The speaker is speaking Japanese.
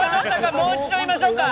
もう一度言いましょうか？